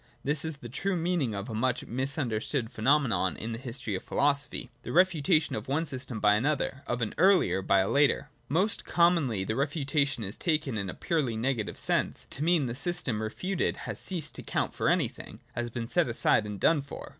This is the true meaning of a much misunderstood phenomenon in the history of philosophy — the refutation of one system by another, of an eariier by a later. Most com I monly the refutation is taken in a purely negative sense to ' mean that the system refuted has ceased to count for any thing, has been set aside and done for.